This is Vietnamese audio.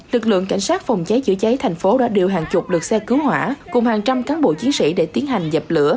lực lượng cảnh sát phòng cháy chữa cháy thành phố đã điều hàng chục lực xe cứu hỏa cùng hàng trăm cán bộ chiến sĩ để tiến hành dập lửa